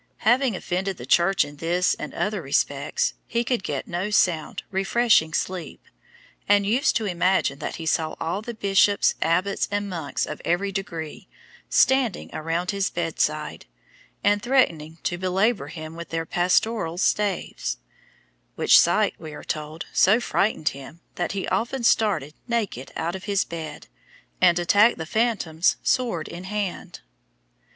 Having offended the Church in this and other respects, he could get no sound, refreshing sleep, and used to imagine that he saw all the bishops, abbots, and monks of every degree, standing around his bed side, and threatening to belabour him with their pastoral staves; which sight, we are told, so frightened him, that he often started naked out of his bed, and attacked the phantoms sword in hand.